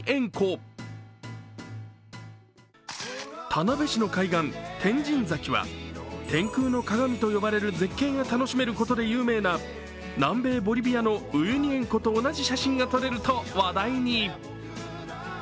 田辺市の海岸、天神崎は天空の鏡と呼ばれる絶景が楽しめることで有名な南米ボリビアのウユニ塩湖と同じ写真が撮れると話題に。